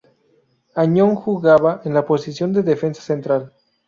Añón jugaba en la posición de defensa central.